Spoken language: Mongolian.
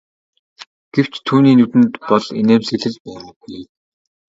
Гэвч түүний нүдэнд бол инээмсэглэл байгаагүй.